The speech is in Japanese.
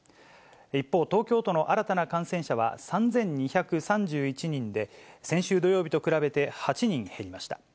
一方、東京都の新たな感染者は３２３１人で、先週土曜日と比べて８人減りました。